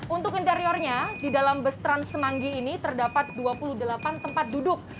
untuk interiornya di dalam bus trans semanggi ini terdapat dua puluh delapan tempat duduk